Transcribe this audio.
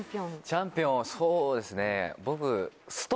チャンピオンそうですね。